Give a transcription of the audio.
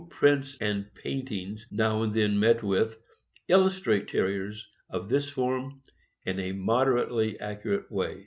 875 prints and paintings now and then met with illustrate Ter riers of this form in a moderately accurate way.